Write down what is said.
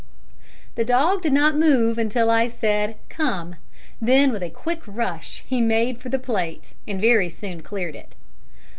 The dog did not move until I said, "come." Then, with a quick rush he made for the plate, and very soon cleared it.